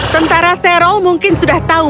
tentara serol mungkin sudah tahu